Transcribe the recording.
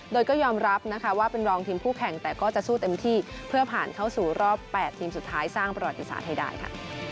โดยก็ยอมรับนะคะว่าเป็นรองทีมคู่แข่งแต่ก็จะสู้เต็มที่เพื่อผ่านเข้าสู่รอบ๘ทีมสุดท้ายสร้างประวัติศาสตร์ให้ได้ค่ะ